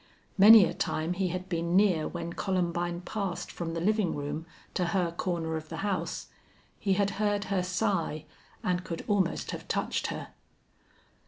Many a time he had been near when Columbine passed from the living room to her corner of the house. He had heard her sigh and could almost have touched her.